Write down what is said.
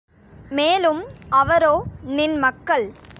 மேலும் அவரோ நின் மக்கள்.